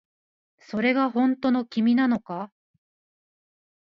それが本当の君なのか